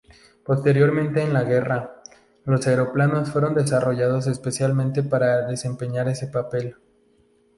Posteriormente en la guerra, los aeroplanos fueron desarrollados específicamente para desempeñar ese papel.